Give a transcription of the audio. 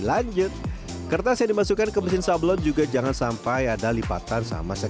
kalau warnanya sudah berubah kita bisa menggubahnya kalau cat tidak merata atau menggelembung wah biasanya ada kendala di bagian mesin